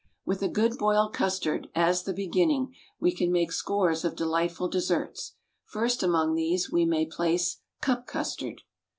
With a good boiled custard as the beginning we can make scores of delightful desserts. First among these we may place Cup Custard.